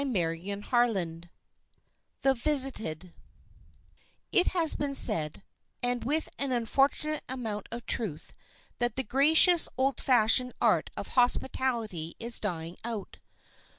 CHAPTER XIX THE VISITED IT has been said,—and with an unfortunate amount of truth, that the gracious old fashioned art of hospitality is dying out.